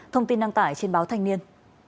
thông tin năng tải trên báo thanh niên